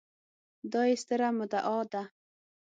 دا يې ستره مدعا ده